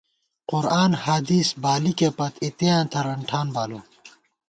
قرآن حدیث بالِکےپت، اِتېاں ترَن ٹھان بالُوم